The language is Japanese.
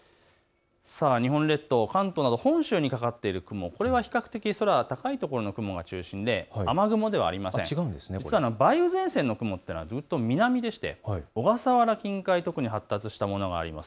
日本列島、本州にかかっている雲、これが比較的、空が高いところが中心で梅雨前線の雲というのはずっと南そして小笠原近海、特に発達したものがあります。